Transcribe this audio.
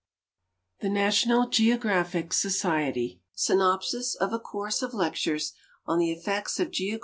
THE NATIONAL GEOGRAPHIC SOCIETY SYNOPSIS OF A COURSE OF LECTURES ON THE EFFECTS OF GEOGR.